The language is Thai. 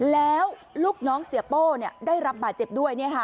แล้วลูกน้องเสียโป้เนี่ยได้รับบาดเจ็บด้วยเนี่ยค่ะ